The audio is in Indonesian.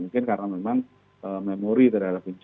mungkin karena memang memori terhadap bencana itu